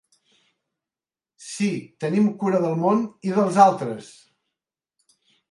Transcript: Si tenim cura del món i dels altres.